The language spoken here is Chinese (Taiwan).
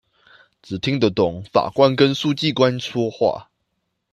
只聽得懂法官跟書記官說話